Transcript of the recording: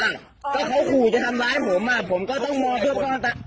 ก็เขาขู่จะทำร้ายผมอ่ะผมก็ต้องมองด้วยก้อนตาม